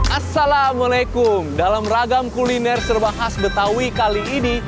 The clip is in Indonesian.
assalamualaikum dalam ragam kuliner serba khas betawi kali ini